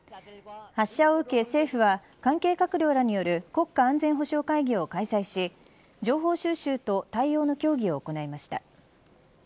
発射を受け政府は関係閣僚らによる国家安全保障会議を開催し情報収集と対応の協議を行いました。